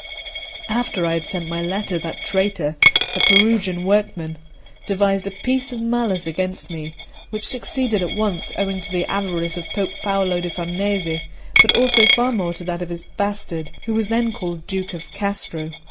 After I had sent my letter, that traitor, the Perugian workman, devised a piece of malice against me, which succeeded at once, owing to the avarice of Pope Paolo da Farnese, but also far more to that of his bastard, who was then called Duke of Castro.